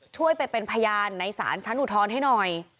ช่วยไปเป็นพยานในศาลชั้นอุทธรณ์ให้หน่อย